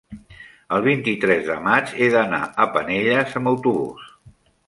el vint-i-tres de maig he d'anar a Penelles amb autobús.